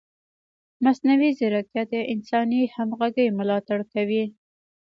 مصنوعي ځیرکتیا د انساني همغږۍ ملاتړ کوي.